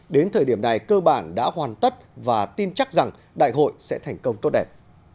đến thời điểm này cơ bản đã hoàn tất và tin chắc rằng đại hội sẽ thành công tốt đẹp